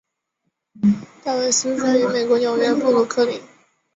戴维斯出生于美国纽约布鲁克林。